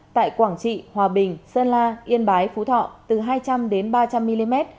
tại quảng trị hòa bình sơn la yên bái phú thọ từ hai trăm linh đến ba trăm linh mm